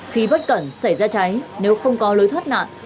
khi bất cẩn xảy ra cháy nếu không có lối thoát nạn